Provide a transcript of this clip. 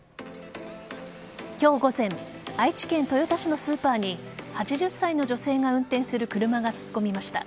今日午前愛知県豊田市のスーパーに８０歳の女性が運転する車が突っ込みました。